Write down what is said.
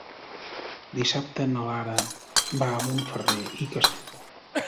Dissabte na Lara va a Montferrer i Castellbò.